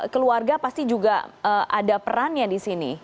keluarga pasti juga ada perannya di sini